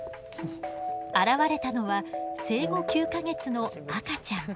現れたのは生後９か月の赤ちゃん。